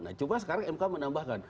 nah cuma sekarang mk menambahkan